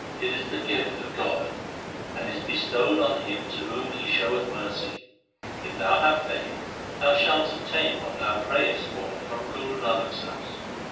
It is the gift of God, and is bestowed on him to whom He showeth mercy. If thou have faith, thou shalt obtain what thou prayest for from Guru Nanak's house.